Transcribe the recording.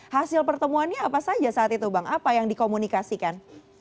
hasil pertemuannya apa saja saat itu bang apa yang dikomunikasikan